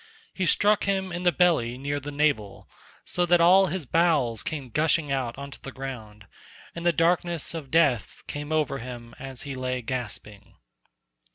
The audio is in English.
He struck him in the belly near the navel, so that all his bowels came gushing out on to the ground, and the darkness of death came over him as he lay gasping.